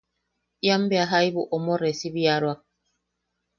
Ian bea jaibu omo recibieroak.